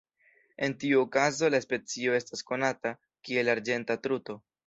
En tiu okazo la specio estas konata kiel "arĝenta truto".